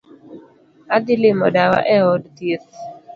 Adhii limo dawa e od thieth